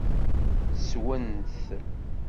Sswen-t.